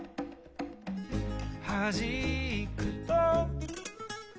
「はじくと」